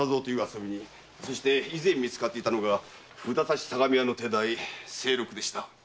そして以前見つかっていたのが札差「相模屋」の手代“清六”です。